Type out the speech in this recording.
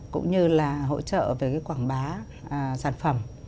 cũng như là hỗ trợ về cái quảng bá sản phẩm